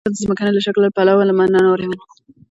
افغانستان د ځمکنی شکل له پلوه له نورو هېوادونو سره اړیکې لري.